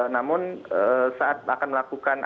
namun saat akan melakukan